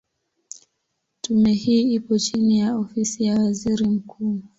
Tume hii ipo chini ya Ofisi ya Waziri Mkuu.